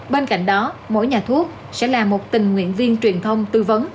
bên cạnh đó mỗi nhà thuốc sẽ là một tình nguyện viên truyền thông tư vấn